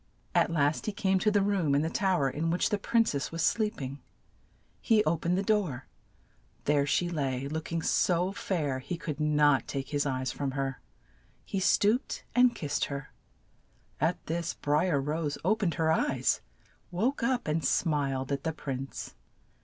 At last he came to the room in the tow er in which the prin cess was sleep ing. He o pened the door : there she lay, look ing so fair he could not take his eyes from her. He stooped and kissed her ; at this Bri er Rose o pened her eyes, woke up, and smiled at the prince.